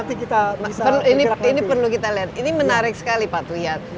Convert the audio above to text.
ini perlu kita lihat ini menarik sekali pak tuyan